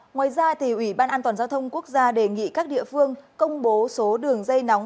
ngoài ra ủy ban an toàn giao thông quốc gia đề nghị các địa phương công bố số đường dây nóng